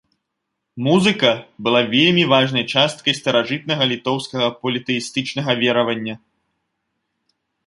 Музыка была вельмі важнай часткай старажытнага літоўскага політэістычнага веравання.